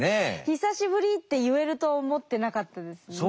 「久しぶり」って言えると思ってなかったですね。